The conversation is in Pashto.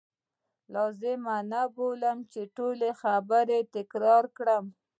زه لازمه نه بولم چې ټولي خبرې تکرار کړم.